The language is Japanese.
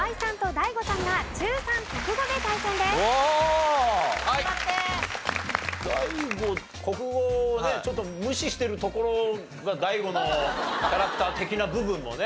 ＤＡＩＧＯ国語をねちょっと無視してるところがＤＡＩＧＯのキャラクター的な部分もね。